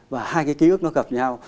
và hai cái ký ức nó gặp nhau